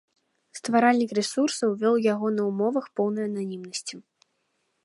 Стваральнік рэсурсу вёў яго на ўмовах поўнай ананімнасці.